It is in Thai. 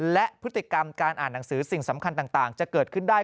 และพฤติกรรมการอ่านหนังสือสิ่งสำคัญต่างจะเกิดขึ้นได้